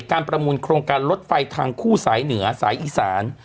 ประมูลโครงการรถไฟทางคู่สายเหนือสายอีสาน